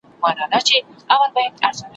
په سرو اوښکو یې د چرګ خواته کتله ,